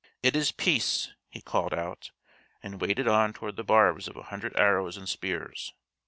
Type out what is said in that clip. "It is peace!" he called out, and waded on toward the barbs of a hundred arrows and spears.